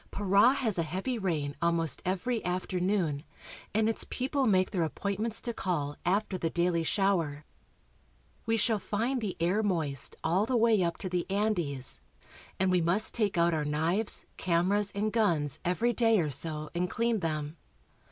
Para has a heavy rain almost every afternoon, and its people make their appointments to call after the daily shower. We shall find the air moist all the way up to the Andes, and we must take out our knives, cameras, and guns every day or so and clean them.